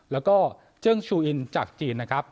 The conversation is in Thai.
และเจิ่งชุอินจากจีน